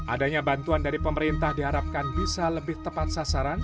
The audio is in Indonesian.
adanya bantuan dari pemerintah diharapkan bisa lebih tepat sasaran